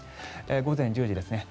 午前１０時です。